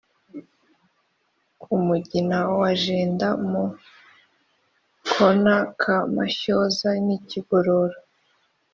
ku mugina wa jenda, mu kona ka mashyoza n'i kigorora